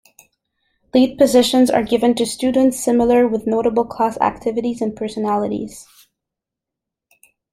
Lead positions are given to students familiar with notable class activities and personalities.